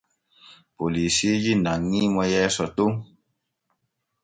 Polisiiji nanŋi mo yeeso ton.